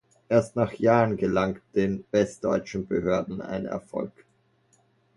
Erst nach Jahren gelang den westdeutschen Behörden ein Erfolg.